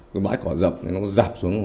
cái bãi cỏ dập nó dạp xuống